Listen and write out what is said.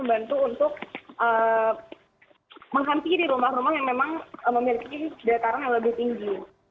untuk menghenti di rumah rumah yang memang memiliki daerah yang lebih tinggi